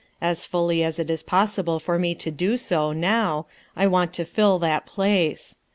As f as it is possible for me to do so, now T «». fill that place.